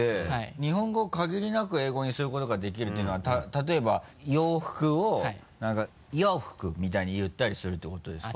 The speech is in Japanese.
日本語を限りなく英語にすることができるっていうのは例えば洋服を何かヨウフク！みたいに言ったりするってことですか？